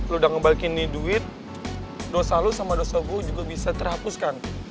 lo udah ngebalikin nih duit dosa lo sama dosa gue juga bisa terhapuskan